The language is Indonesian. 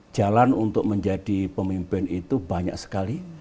jalan untuk menjadi pemimpin itu banyak sekali